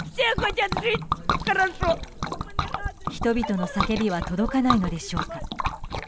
人々の叫びは届かないのでしょうか。